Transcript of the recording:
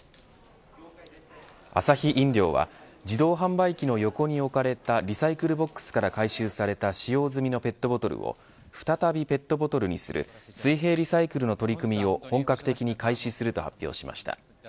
アサヒ飲料は自動販売機の横に置かれたリサイクルボックスから回収された使用済みのペットボトルを再びペットボトルにする水平リサイクルの取り組みを本格的に開始すると発表しました。